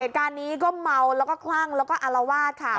เหตุการณ์นี้ก็เมาแล้วก็คลั่งแล้วก็อารวาสค่ะ